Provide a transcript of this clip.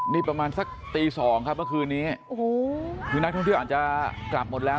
นี่ประมาณสักตี๒ค่ะเมื่อคืนนี้คือนักที่เที่ยวส่งอาหารจะกลับหมดแล้ว